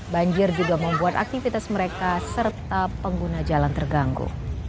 banjir juga membuat aktivitas mereka serta pengguna jalan terganggu